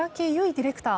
ディレクター